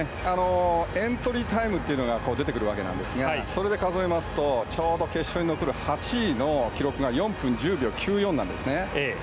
エントリータイムが出てくるわけですがそれで数えますとちょうど決勝に残る８位の記録が４分１０秒９４なんですね。